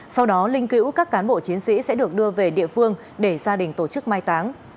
sau đó linh cữu các cán bộ chiến sĩ sẽ được đưa về địa phương để gia đình tổ chức mai táng